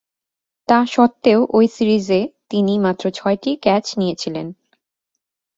তাসত্ত্বেও ঐ সিরিজে তিনি মাত্র ছয়টি ক্যাচ নিয়েছিলেন।